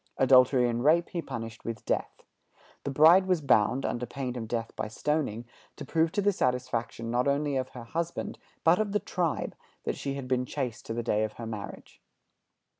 Adultery and rape he punished with death. The bride was bound, under pain of death by stoning, to prove to the satisfaction not only of her husband, but of the tribe, that she had been chaste to the day of her marriage.